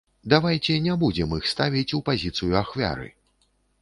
Давайце не будзем іх ставіць у пазіцыю ахвяры!